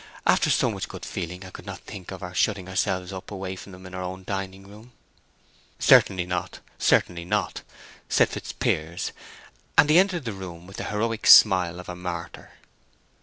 "After so much good feeling I could not think of our shutting ourselves up away from them in our own dining room." "Certainly not—certainly not," said Fitzpiers; and he entered the room with the heroic smile of a martyr.